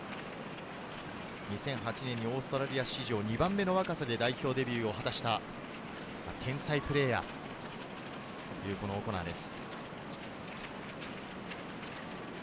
２００８年にオーストラリア史上２番目の若さで代表デビューを果たした天才プレーヤーというオコナーです。